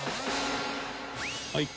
はい。